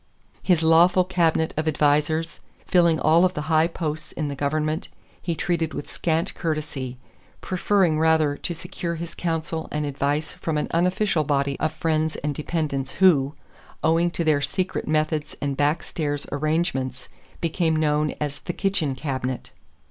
His lawful cabinet of advisers, filling all of the high posts in the government, he treated with scant courtesy, preferring rather to secure his counsel and advice from an unofficial body of friends and dependents who, owing to their secret methods and back stairs arrangements, became known as "the kitchen cabinet."